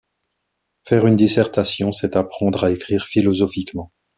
Faire une dissertation, c’est apprendre à écrire philosophiquement.